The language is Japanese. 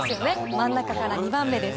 真ん中から２番目です。